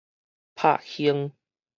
拍胸